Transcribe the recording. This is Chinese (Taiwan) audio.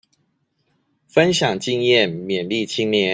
分享經驗勉勵青年